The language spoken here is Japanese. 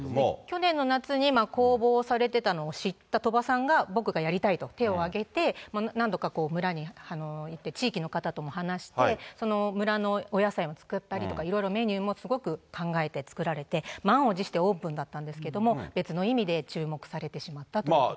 去年の夏に公募をされてたのを知った鳥羽さんが、僕がやりたいと手を挙げて、何度か村に行って、地域の方とも話して、村のお野菜を作ったりとか、いろいろメニューもすごく考えて作られて、満を持してオープンだったんですけど、別の意味で注目されてしまったということですね。